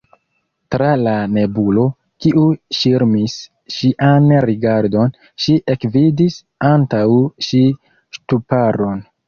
Tra la nebulo, kiu ŝirmis ŝian rigardon, ŝi ekvidis antaŭ si ŝtuparon.